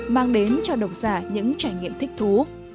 mang đến cho độc giả những trải nghiệm thích thú